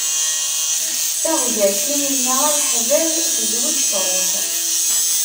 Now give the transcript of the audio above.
Taɣzalt i mennaɣ a leḥbab, tezweǧ truḥ.